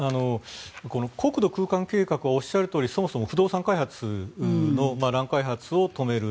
国土空間計画はおっしゃるとおりそもそも不動産開発の乱開発を止める。